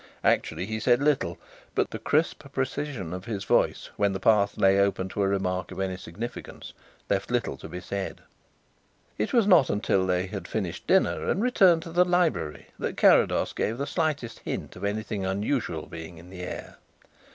Actually, he said little, but the crisp precision of his voice when the path lay open to a remark of any significance left little to be said. It was not until they had finished dinner and returned to the library that Carrados gave the slightest hint of anything unusual being in the air.